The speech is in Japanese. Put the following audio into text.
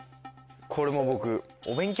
これもう僕。